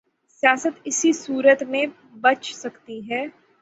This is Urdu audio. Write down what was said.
سیاست اسی صورت میں بچ سکتی ہے۔